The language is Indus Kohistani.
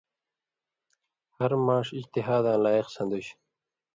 ہر ماݜ اجتہاداں لائق سَن٘دُژ۔